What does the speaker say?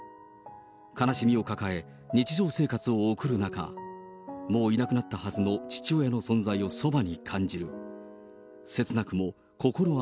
悲しみを抱え、日常生活を送る中、もういなくなったはずの父親の存在をそばに感じる。